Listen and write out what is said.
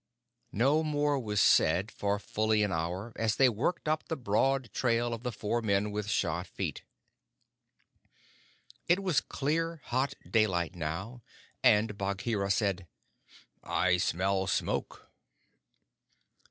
No more was said for fully an hour, as they worked up the broad trail of the four men with shod feet. It was clear, hot daylight now, and Bagheera said, "I smell smoke."